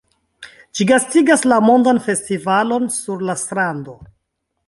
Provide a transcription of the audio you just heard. Ĝi gastigas la Mondan Festivalon sur la Strando.